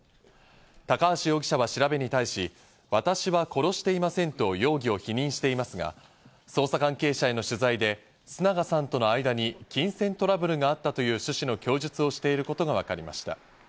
高橋容疑者は調べに対し、私は殺していませんと容疑を否認していますが、捜査関係者への取材で、須永さんとの間に金銭トラブルがあったという趣旨の供述をしていることがわかりました。